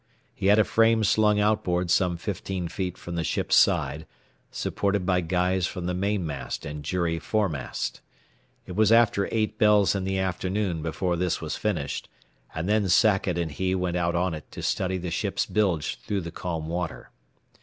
He had a frame slung outboard some fifteen feet from the ship's side, supported by guys from the mainmast and jury foremast. It was after eight bells in the afternoon before this was finished, and then Sackett and he went out on it to study the ship's bilge through the calm water.